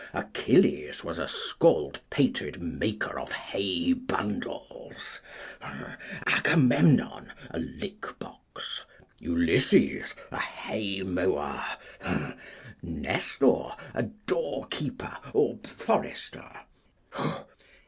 Achilles was a scaldpated maker of hay bundles. Agamemnon, a lick box. Ulysses, a hay mower. Nestor, a door keeper or forester.